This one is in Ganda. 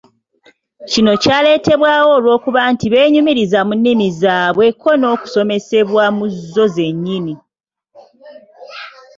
Kino kyaleetebwawo olw'okuba nti benyumiriza mu nnimi zaabwe kko n'okusomesebwa mu zzo zenyini.